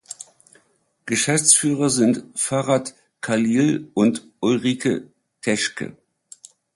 Geschäftsführer sind Farhad Khalil und Ulrike Teschke.